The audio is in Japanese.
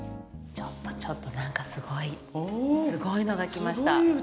ちょっとちょっとなんかすごいのが来ました